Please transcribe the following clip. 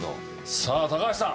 さあ高橋さん。